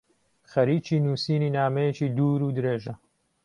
خەریکی نووسینی نامەیەکی دوورودرێژە.